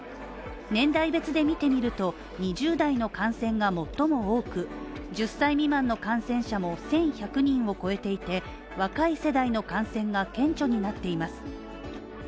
年代別で見てみると２０代の感染が最も多く１０歳未満の感染者も１１００人を超えていて若い世代の感染が顕著になっています。